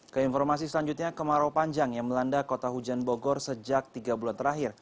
keinformasi selanjutnya kemarau panjang yang melanda kota hujan bogor sejak tiga bulan terakhir